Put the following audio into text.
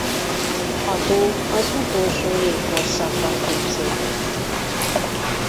A tó az utolsó jégkorszakban képződött.